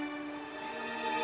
walaikum salam kanjeng sunandraja